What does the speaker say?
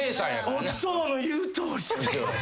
お父の言うとおりじゃ。